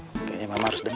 kayaknya mama harus denger